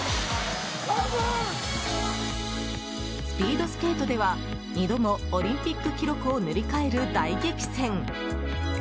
スピードスケートでは２度もオリンピック記録を塗り替える大激戦。